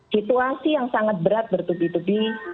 situasi yang sangat berat bertubi tubi